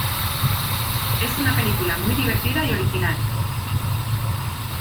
Es una película muy divertida y original.